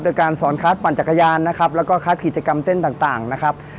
โดยการสอนคัดปั่นจักรยานนะครับแล้วก็คัดกิจกรรมเต้นต่างนะครับ